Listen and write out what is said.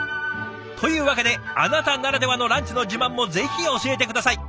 というわけであなたならではのランチの自慢もぜひ教えて下さい。